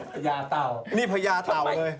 พญาเต่านี่พญาเต่าเลย